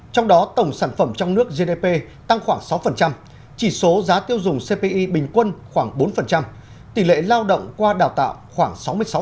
trong đó tổng sản phẩm trong nước gdp tăng khoảng sáu chỉ số giá tiêu dùng cpi bình quân khoảng bốn tỷ lệ lao động qua đào tạo khoảng sáu mươi sáu